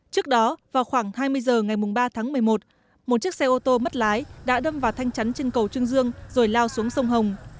trước đó vào khoảng hai mươi h ngày ba tháng một mươi một một chiếc xe ô tô mất lái đã đâm vào thanh chắn trên cầu trương dương rồi lao xuống sông hồng